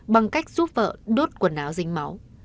bằng cách giúp vợ đốt quần áo dính máu